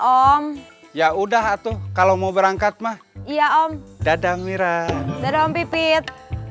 om ya udah atau kalau mau berangkat mah iya om dadah mira dadah om pipit